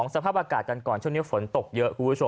๒สภาพอากาศกันก่อนช่วงนี้ฝนตกเยอะ